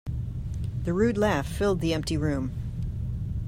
The rude laugh filled the empty room.